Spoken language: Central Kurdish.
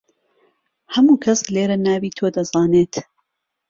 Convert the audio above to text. هەموو کەس لێرە ناوی تۆ دەزانێت.